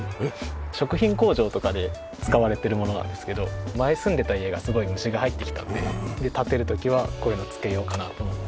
食品工場とかで使われているものなんですけど前住んでいた家がすごい虫が入ってきたので建てる時はこういうの付けようかなと思って。